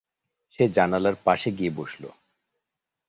সে জানালার পাশে গিয়ে বসল।